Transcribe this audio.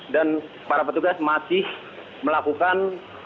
dan para petugas masih melakukan